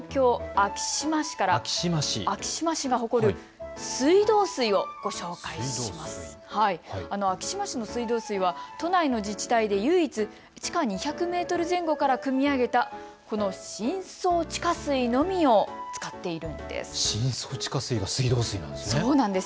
昭島市の水道水は都内の自治体で唯一地下２００メートル前後からくみ上げた、この深層地下水のみを使っているんです。